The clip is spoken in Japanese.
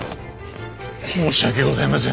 申し訳ございません。